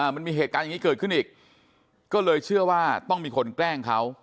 มันมีเหตุการณ์อย่างนี้เกิดขึ้นอีกก็เลยเชื่อว่าต้องมีคนแกล้งเขา